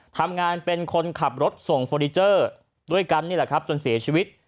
ทำงานเป็นคนขับรถส่งเฟอร์นิเจอร์ด้วยกันนี่แหละครับจนเสียชีวิต